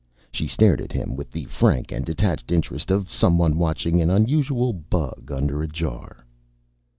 She stared at him with the frank and detached interest of someone watching an unusual bug under a jar.